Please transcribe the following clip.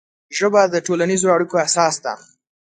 ژبه د ټولنیزو اړیکو اساس ده